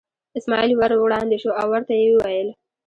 اسماعیل ور وړاندې شو او ورته یې وویل.